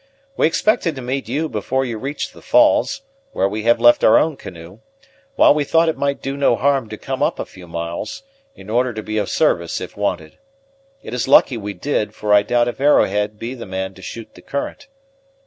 We expected to meet you before you reached the Falls, where we have left our own canoe; while we thought it might do no harm to come up a few miles, in order to be of service if wanted. It is lucky we did, for I doubt if Arrowhead be the man to shoot the current."